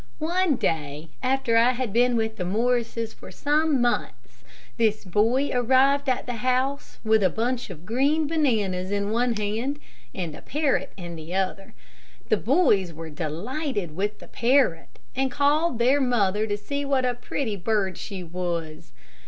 One day, after I had been with the Morrises for some months, this boy arrived at the house with a bunch of green bananas in one hand, and a parrot in the other. The boys were delighted with the parrot, and called their mother to see what a pretty bird she was.